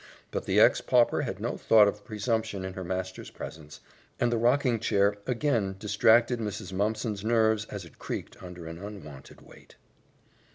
But the ex pauper had no thought of presumption in her master's presence, and the rocking chair again distracted Mrs. Mumpson's nerves as it creaked under an unwonted weight.